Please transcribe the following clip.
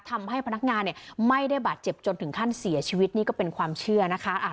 ทำให้พนักงานเนี่ยไม่ได้บาดเจ็บจนถึงขั้นเสียชีวิตนี่ก็เป็นความเชื่อนะคะ